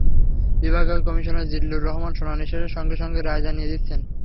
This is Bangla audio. বিভাগীয় কমিশনার জিল্লার রহমান শুনানি শেষে সঙ্গে সঙ্গে রায় জানিয়ে দিচ্ছেন।